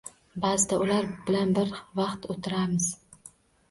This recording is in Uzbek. Ba’zida ular bilan vaqt orttiramiz.